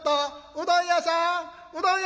うどん屋さん！」。